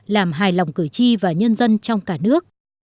làm hài lòng cử tri và nhân dân trong cả nước